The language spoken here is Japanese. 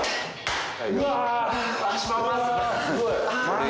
・うわ。